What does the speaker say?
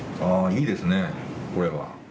いいですね、これは。